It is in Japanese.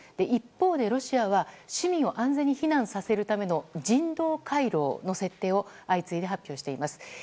一方でロシアは市民を安全に避難させるための人道回廊の設定を相次いで発表しています。